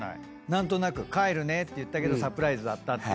何となく帰るねって言ったけどサプライズだったっていう。